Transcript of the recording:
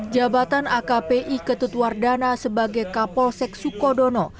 jabatan akpi ketut wardana sebagai kapolsek sukodono